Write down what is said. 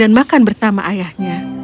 dan makan bersama ayahnya